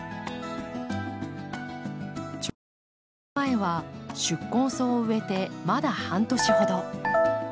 ちょうど１年前は宿根草を植えてまだ半年ほど。